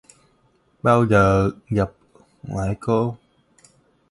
Bao giờ gặp lại cô?!